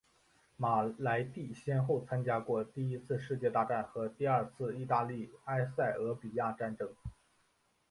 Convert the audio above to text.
马莱蒂先后参加过第一次世界大战和第二次意大利埃塞俄比亚战争。